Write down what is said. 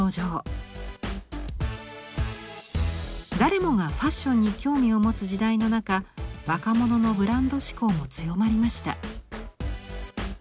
誰もがファッションに興味を持つ時代の中若者のブランド志向も強まりました。